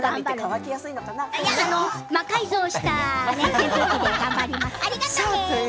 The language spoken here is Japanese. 魔改造した扇風機で頑張ります。